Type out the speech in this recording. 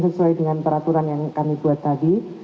sesuai dengan peraturan yang kami buat tadi